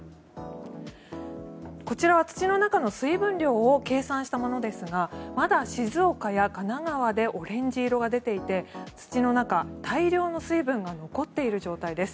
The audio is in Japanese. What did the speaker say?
こちらは土の中の水分量を計算したものですがまだ静岡や神奈川でオレンジ色が出ていて土の中、大量の水分が残っている状態です。